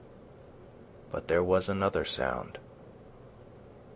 But there was another sound.